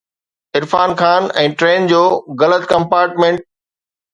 Irfan Khan ۽ train جو غلط compartment